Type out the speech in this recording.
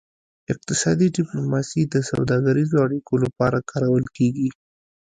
اقتصادي ډیپلوماسي د سوداګریزو اړیکو لپاره کارول کیږي